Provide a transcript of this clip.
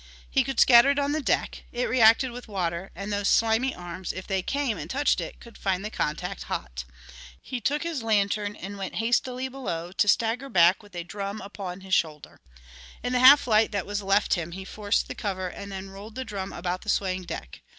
He could scatter it on the deck it reacted with water, and those slimy arms, if they came and touched it, could find the contact hot. He took his lantern and went hastily below to stagger back with a drum upon his shoulder. In the half light that was left him he forced the cover and then rolled the drum about the swaying deck.